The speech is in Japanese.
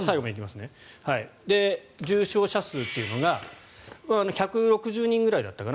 重症者数というのが１６０人くらいだったかな